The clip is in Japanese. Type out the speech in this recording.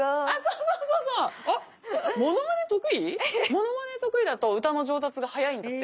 ものまね得意だと歌の上達が早いんだって。